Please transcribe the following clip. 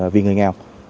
vì người nghèo